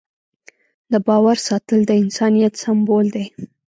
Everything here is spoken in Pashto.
د باور ساتل د انسانیت سمبول دی.